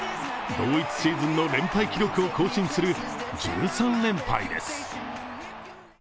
同一シーズンの連敗記録を更新する１３連敗です。